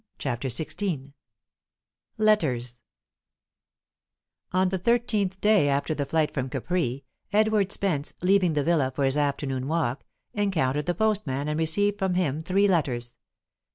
CHAPTER XVI LETTERS On the thirteenth day after the flight from Capri, Edward Spence, leaving the villa for his afternoon walk, encountered the postman and received from him three letters.